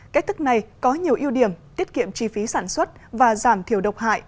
cách thức này có nhiều ưu điểm tiết kiệm chi phí sản xuất và giảm thiểu độc hại